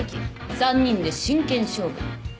３人で真剣勝負。